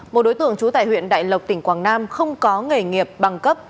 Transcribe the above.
một đối tượng trú tại huyện đại lộc tỉnh quảng nam không có nghề nghiệp bằng cấp